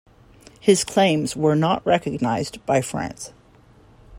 His claims were not recognized by France.